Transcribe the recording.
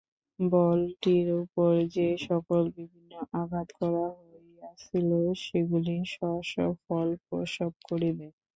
বলটির উপর যে-সকল বিভিন্ন আঘাত করা হইয়াছিল, সেগুলি স্ব স্ব ফল প্রসব করিবে।